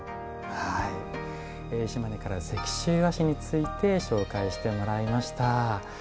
島根から石州和紙について紹介してもらいました。